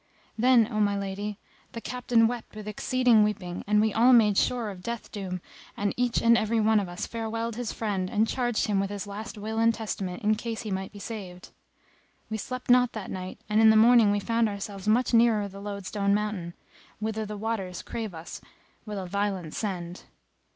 [FN#258] Then, O my lady, the Captain wept with exceeding weeping and we all made sure of death doom and each and every one of us farewelled his friend and charged him with his last will and testament in case he might be saved. We slept not that night and in the morning we found ourselves much nearer the Loadstone Mountain, whither the waters drave us with a violent send.